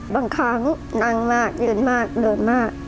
บางครั้งนั่งมากยืนมากเดินมาก